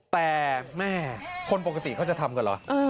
แต่แม่คนปกติเขาจะทำกันเหรอ